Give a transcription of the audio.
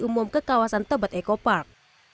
umum ke kawasan tebet ekopark